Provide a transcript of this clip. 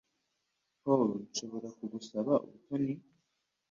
Paul, nshobora kugusaba ubutoni?